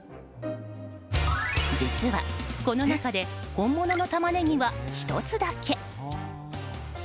実は、この中で本物のタマネギは１つだけ。